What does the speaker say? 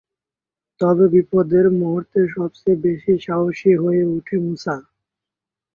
তবে বিপদের মুহূর্তে সবচেয়ে বেশি সাহসী হয়ে উঠে মুসা।